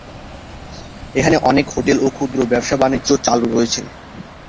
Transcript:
এখানে অনেক হোটেল ও ক্ষুদ্র ব্যবসা-বাণিজ্য চালু রয়েছে।